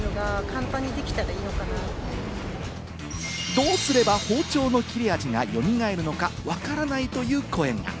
どうすれば包丁の切れ味がよみがえるのかわからないという声が。